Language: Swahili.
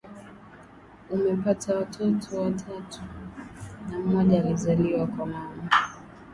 Amepata watoto watatu na mmoja alizaliwa kwa mama